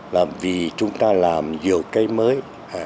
làm vì chúng ta làm nhiều cái mới